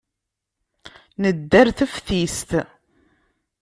Nedda ɣer teftist.